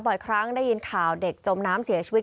บ่อยครั้งได้ยินข่าวเด็กจมน้ำเสียชีวิต